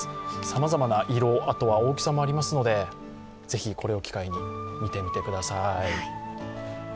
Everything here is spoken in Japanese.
さまざまな色、大きさもありますのでぜひ、これを機会に見てみてください。